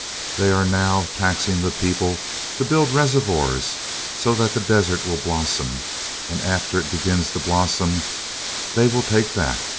They are now taxing the people to build reservoirs so that the desert will blossom; and after it begins to blossom, they will take that.